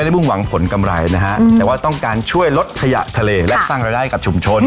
แต่มันล้ำกว่านั้นครับ